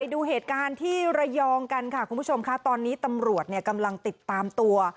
ดูเหตุการณ์ที่ระยองกันค่ะคุณผู้ชมค่ะตอนนี้ตำรวจเนี่ยกำลังติดตามตัว